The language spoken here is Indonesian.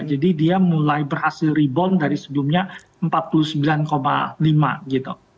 dia mulai berhasil rebound dari sebelumnya empat puluh sembilan lima gitu